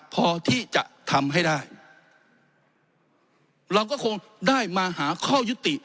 พอที่จะทำให้ได้เราก็คงได้มาหาข้อยุติ